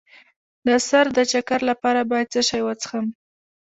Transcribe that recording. د سر د چکر لپاره باید څه شی وڅښم؟